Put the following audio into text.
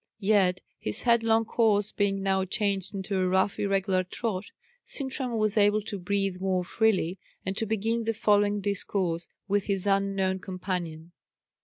Yet his headlong course being now changed into a rough irregular trot, Sintram was able to breathe more freely, and to begin the following discourse with his unknown companion.